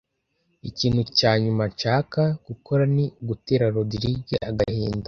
Ikintu cya nyuma nshaka gukora ni ugutera Rogride agahinda.